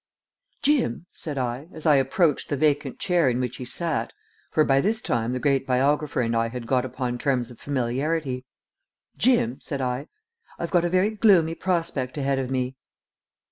"Jim," said I, as I approached the vacant chair in which he sat for by this time the great biographer and I had got upon terms of familiarity "Jim," said I, "I've got a very gloomy prospect ahead of me."